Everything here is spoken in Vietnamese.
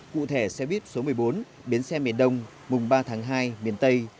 cụ thể xe buýt số một mươi bốn bến xe miền đông mùng ba tháng hai miền tây